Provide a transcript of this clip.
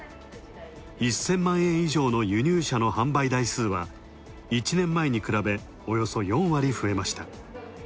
１０００万円以上の輸入車の販売台数は一年前に比べ、およそ４割増えました。